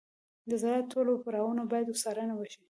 د زراعت ټول پړاوونه باید څارنه وشي.